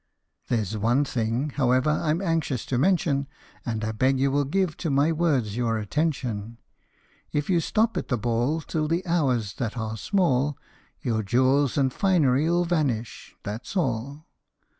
There 's one thing, however, I 'm anxious to mention And I beg you will give to my words your attention : If you stop at the ball till the hours that are small, Your jewels and finery '11 vanish that 's all